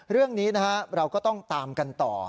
เรื่องนี้เราก็ต้องตามกันต่อ